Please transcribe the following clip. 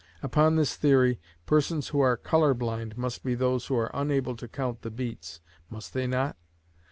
Upon this theory, persons who are colour blind must be those who are unable to count the beats, must they not?